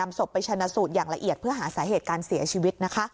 ศพไปชนะสูตรอย่างละเอียดเพื่อหาสาเหตุการเสียชีวิตนะคะ